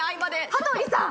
羽鳥さん！